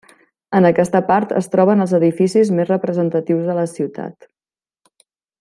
En aquesta part, es troben els edificis més representatius de la ciutat.